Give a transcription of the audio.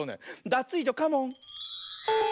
ダツイージョカモン！